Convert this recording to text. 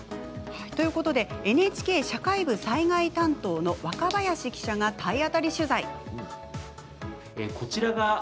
ということでＮＨＫ社会部災害担当の若林記者が、体当たり取材。